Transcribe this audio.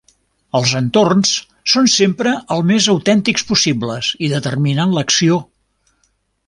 Els entorns són sempre el més autèntics possible i determinen l'acció.